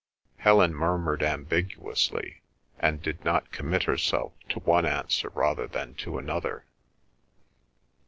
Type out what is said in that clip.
Helen murmured ambiguously, and did not commit herself to one answer rather than to another.